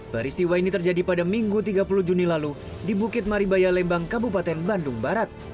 peristiwa ini terjadi pada minggu tiga puluh juni lalu di bukit maribaya lembang kabupaten bandung barat